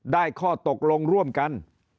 ข้อตกลงร่วมกัน